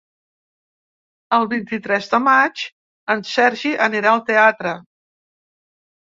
El vint-i-tres de maig en Sergi anirà al teatre.